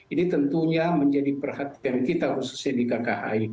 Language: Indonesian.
ini tentunya menjadi perhatian kita khususnya di kki